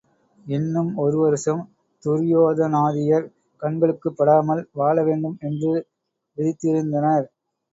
இன்னும் ஒரு வருஷம் துரியோதனாதியர் கண்களுக்குப்படாமல் வாழ வேண்டும் என்று விதித்திருந்தனர்.